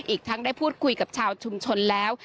อีกทั้งได้พูดคุยกับชาวชุมชนแล้ว